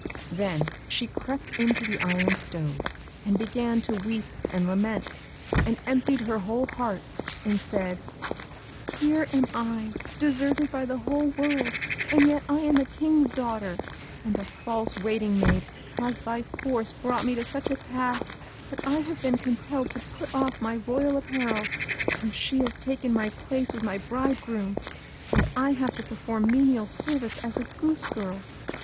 Then she crept into the iron stove, and began to weep and lament, and emptied her whole heart, and said, "Here am I deserted by the whole world, and yet I am a King's daughter, and a false waiting maid has by force brought me to such a pass that I have been compelled to put off my royal apparel, and she has taken my place with my bridegroom, and I have to perform menial service as a goose girl.